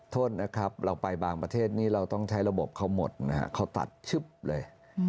โทษนะครับเราไปบางประเทศนี้เราต้องใช้ระบบเขาหมดนะครับเขาตัดชึบเลย